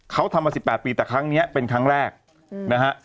เขาทำมา๑๘ปีแต่ครั้งนี้เป็นครั้งแรกนะฮะ